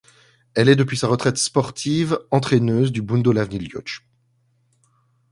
Elle est, depuis sa retraite sportive, entraîneuse du Budowlani Łódź.